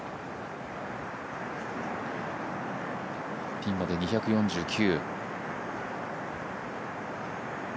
ピンまで２４９。